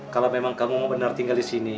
kalau memang kamu benar tinggal di sini